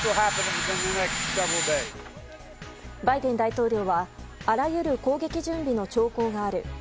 バイデン大統領はあらゆる攻撃準備の兆候がある。